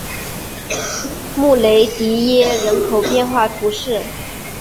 穆雷迪耶人口变化图示